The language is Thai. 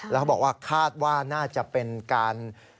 แล้วเขาบอกว่าคาดว่าน่าจะเป็นการ